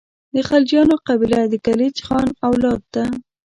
د خلجیانو قبیله د کلیج خان اولاد ده.